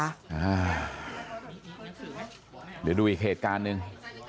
เดี๋ยวดูอีกเหตุการณ์หนึ่ง